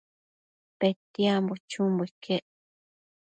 Petiambo chumbo iquec